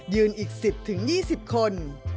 อีก๑๐๒๐คน